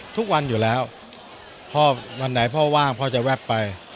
ทุกวันอยู่แล้วพ่อวันไหนพ่อว่างพ่อจะแวบไป